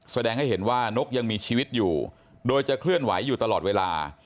แสดงให้เห็นว่านกยังมีชีวิตอยู่โดยจะเคลื่อนไหวอยู่ตลอดเวลา